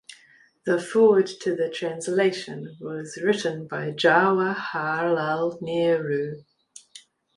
The foreword to the translation was written by Jawaharlal Nehru.